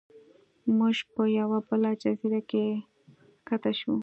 موږ په یوه بله جزیره کې ښکته شو.